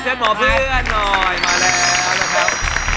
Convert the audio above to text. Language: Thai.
หมอเพื่อนหน่อยมาแล้วนะครับ